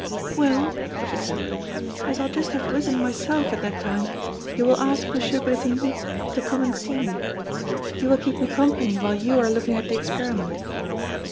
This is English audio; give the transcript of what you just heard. "Well," she said, "as I'll just have risen myself at that time, you will ask M. Bretigny to come and see me. He will keep me company while you are looking at the experiment."